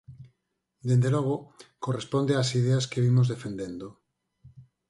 Dende logo, corresponde ás ideas que vimos defendendo.